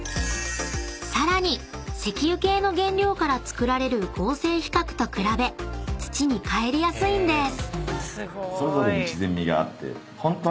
［さらに石油系の原料から作られる合成皮革と比べ土に還りやすいんです］